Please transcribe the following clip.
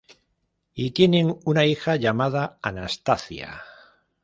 Y tienen una hija llamada Anastacia.